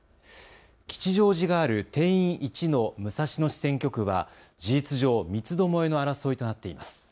吉祥寺がある定員１の武蔵野市選挙区は事実上三つどもえの争いとなっています。